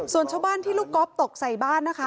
ส่วนชาวบ้านที่ลูกก๊อฟตกใส่บ้านนะคะ